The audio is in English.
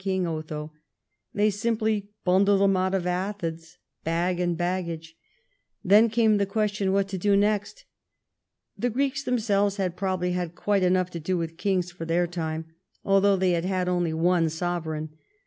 King Otho. They simply bundled him out of Athens, bag and 210 THE STORY OF GLADSTONE'S LIFE baggage. Then caniL' tliu question what to do next. The Greeks themselves liad probably had quite enough to do with kings for their time, although they had had nnlv one sovereign.